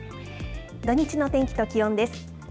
土日の天気と気温です。